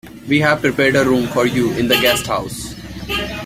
We have prepared a room for you in the guest house.